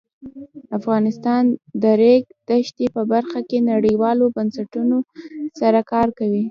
افغانستان د د ریګ دښتې په برخه کې نړیوالو بنسټونو سره کار کوي.